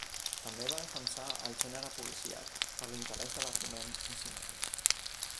També va defensar el gènere policíac per l'interès de l'argument en si mateix.